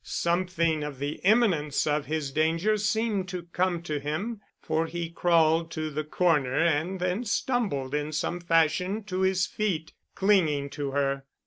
Something of the imminence of his danger seemed to come to him, for he crawled to the corner and then stumbled in some fashion to his feet, clinging to her.